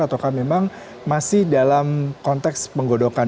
ataukah memang masih dalam konteks penggodokan